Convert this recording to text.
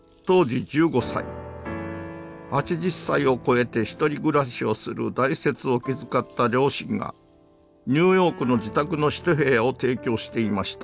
８０歳を超えて一人暮らしをする大拙を気遣った両親がニューヨークの自宅の一部屋を提供していました。